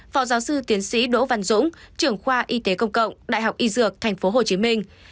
phó giáo sư tiến sĩ đỗ văn dũng trưởng khoa y tế công cộng đại học y dược tp hcm